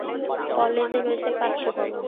কলেজে রয়েছে পাঁচটি ভবন।